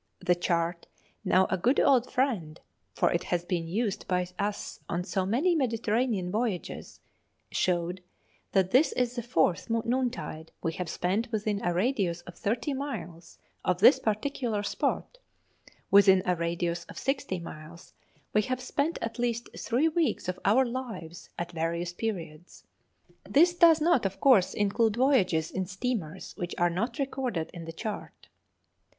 The chart, now a good old friend, for it has been used by us on so many Mediterranean voyages, showed that this is the fourth noontide we have spent within a radius of thirty miles of this particular spot; within a radius of sixty miles we have spent at least three weeks of our lives at various periods. This does not of course include voyages in steamers which are not recorded in the chart.